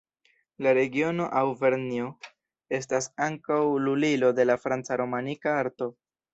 La regiono Aŭvernjo estas ankaŭ lulilo de la franca romanika arto.